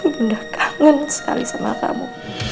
bunda kangen sekali sama kamu